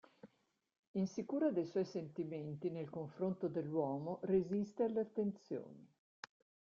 Insicura dei suoi sentimenti nel confronto dell'uomo, resiste alle attenzioni.